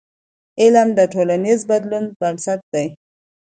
علم د ټولنیز بدلون بنسټ دی.